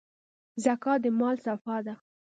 زکات د مال صفا ده.